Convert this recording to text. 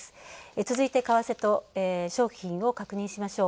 続いて、為替と商品を確認しましょう。